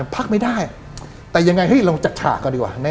พักไม่ได้แต่ยังไงลองจัดฉากก่อนดีกว่า